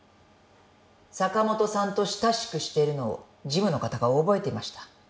「坂本さんと親しくしているのをジムの方が覚えていました」